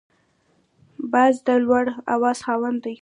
باز د لوړ اواز خاوند دی